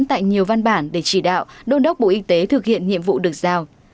tại nhiều văn bản để chỉ đạo đôn đốc bộ y tế thực hiện nhiệm vụ được giao